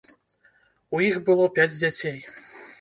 У іх было пяць дзяцей.